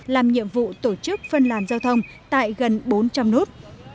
làm nhiệm vụ tổ chức phân làn giao thông tại gần bốn trăm linh nút